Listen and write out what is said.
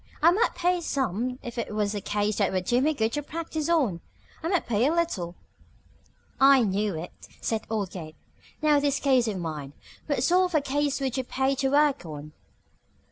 "I might pay some if it was a case that would do me good to practice on. I might pay a little." "I knew it," said old Gabe. "Now, this case of mine What sort of a case would you pay to work on?"